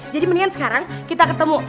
jadi mendingan sekarang kita ketemu